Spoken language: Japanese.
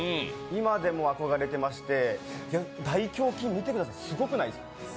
今でも憧れていまして、大胸筋がすごくないですか。